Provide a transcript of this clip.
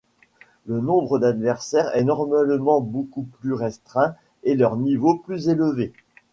Le nombre d'adversaires est normalement beaucoup plus restreint et leur niveau plus élevé.